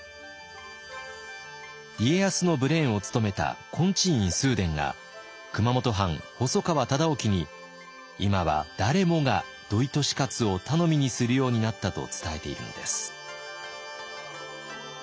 家康のブレーンを務めた金地院崇伝が熊本藩細川忠興に「今は誰もが土井利勝を頼みにするようになった」と伝えているのです。